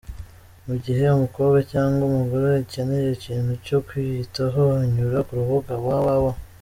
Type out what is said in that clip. Mu gihe umukobwa cyangwa umugore akeneye ikintu cyo kwiyitaho, anyura ku rubuga www.